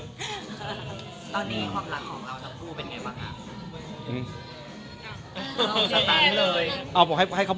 อเจมส์ตอนนี้ความรักของเราทั้งผู้มันยังไงบ้าง